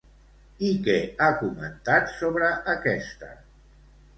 I què ha comentat sobre aquesta?